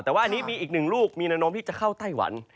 แต่ว่าอันนี้มีอีกหนึ่งลูกมีแนวโน้มที่จะเข้าไต้หวัน